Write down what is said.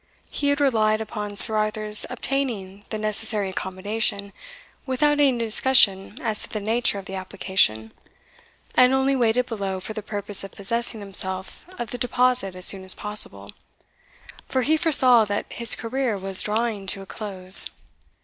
He had relied upon Sir Arthur's obtaining the necessary accommodation without any discussion as to the nature of the application, and only waited below for the purpose of possessing himself of the deposit as soon as possible, for he foresaw that his career was drawing to a close.